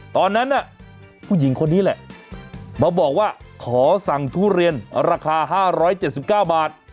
ตอนนั้นผู้หญิงคนนี้แหละมาบอกว่าขอสั่งทุเรียนราคา๕๗๙บาท